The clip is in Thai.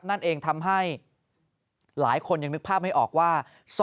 นั่นเองทำให้หลายคนยังนึกภาพไม่ออกว่า